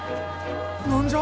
何じゃ？